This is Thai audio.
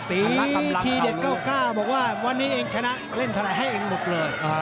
ตีทีเด็ด๙๙บอกว่าวันนี้เองชนะเล่นทะลายให้เองหมดเลย